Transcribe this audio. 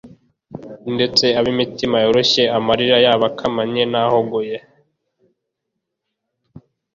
ndetse abimitima yoroshye amarira yabakamanye nahogoye